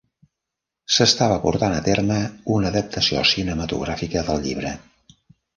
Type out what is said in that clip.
S'estava portant a terme una adaptació cinematogràfica del llibre.